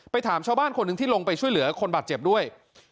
ถามชาวบ้านคนหนึ่งที่ลงไปช่วยเหลือคนบาดเจ็บด้วย